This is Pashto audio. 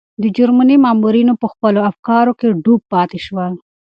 د جرمني مامورین په خپلو افکارو کې ډوب پاتې شول.